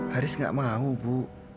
haris nggak mau bu